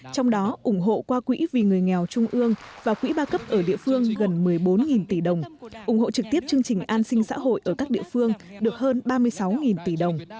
trong đó ủng hộ qua quỹ vì người nghèo trung ương và quỹ ba cấp ở địa phương gần một mươi bốn tỷ đồng ủng hộ trực tiếp chương trình an sinh xã hội ở các địa phương được hơn ba mươi sáu tỷ đồng